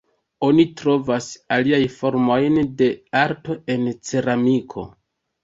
Oni trovas aliaj formojn de arto en ceramiko.